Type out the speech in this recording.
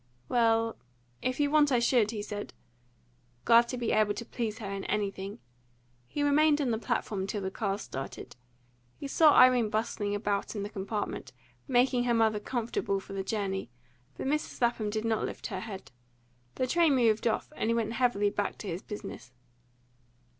"Well, if you want I should," he said, glad to be able to please her in anything. He remained on the platform till the cars started. He saw Irene bustling about in the compartment, making her mother comfortable for the journey; but Mrs. Lapham did not lift her head. The train moved off, and he went heavily back to his business.